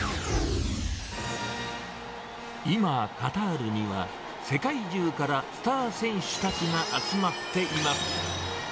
今、カタールには世界中からスター選手たちが集まっています。